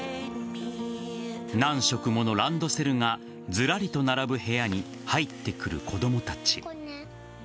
何色ものランドセルがずらりと並ぶ部屋に入ってくる子供たち。